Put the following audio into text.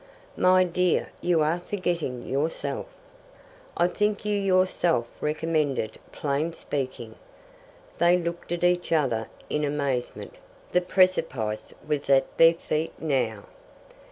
"My dear, you are forgetting yourself." "I think you yourself recommended plain speaking." They looked at each other in amazement. The precipice was at their feet now.